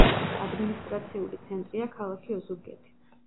ადმინისტრაციული ცენტრია ქალაქი ოზურგეთი.